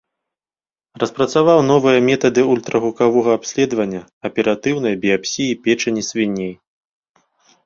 Распрацаваў новыя метады ультрагукавога абследавання аператыўнай біяпсіі печані свіней.